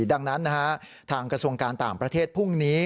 ดังนั้นทางกระทรวงการต่างประเทศพรุ่งนี้